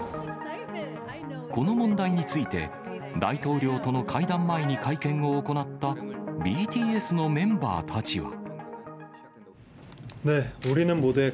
この問題について、大統領との会談前に会見を行ったＢＴＳのメンバーたちは。